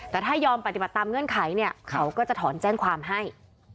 แต่ถ้ายอมปฏิบัติตามเงื่อนไขเนี่ยเขาก็จะถอนแจ้งความให้